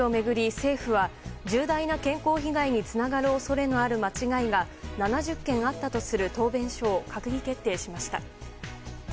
政府は重大な健康被害につながる恐れのある間違いが７０件あったとする答弁書を閣議決定しました。